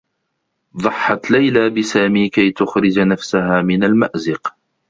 ضحّت ليلى بسامي كي تخرج نفسها من المأزق.